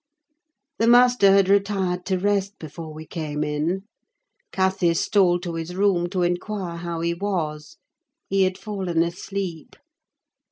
The master had retired to rest before we came in. Cathy stole to his room to inquire how he was; he had fallen asleep.